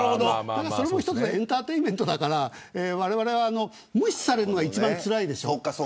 それも、１つのエンターテインメントだからわれわれは無視されるのが一番つらいでしょ。